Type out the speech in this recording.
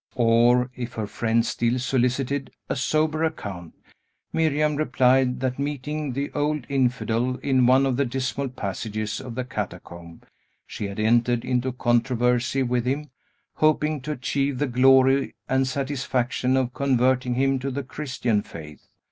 Or, if her friends still solicited a soberer account, Miriam replied, that, meeting the old infidel in one of the dismal passages of the catacomb, she had entered into controversy with him, hoping to achieve the glory and satisfaction of converting him to the Christian faith.